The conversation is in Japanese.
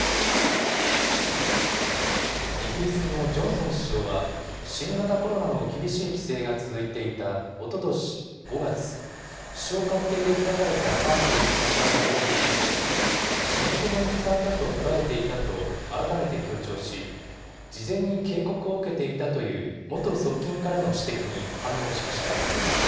イギリスのジョンソン首相は新型コロナの厳しい規制が続いていたおととし５月、首相官邸で開かれたパーティーに参加したことについて仕事の一環だと捉えていたと改めて強調し事前に警告を受けていたという元側近からの指摘に反論しました。